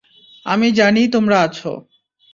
আমি জানি তোমরা আছো।